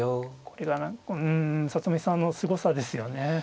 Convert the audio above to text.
これがうん里見さんのすごさですよね。